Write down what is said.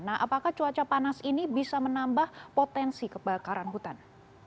nah apakah cuaca panas ini bisa menambah potensi kebakaran hutan